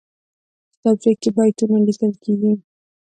کتابچه کې بیتونه لیکل کېږي